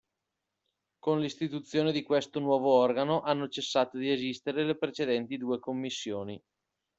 Con l'istituzione di questo nuovo organo hanno cessato di esistere le precedenti due commissioni.